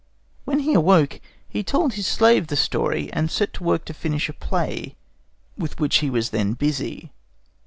When he awoke, he told his slave the story, and set to work to finish a play with which he was then busy.